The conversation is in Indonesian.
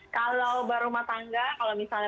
kalau berumah tangga kalau misalnya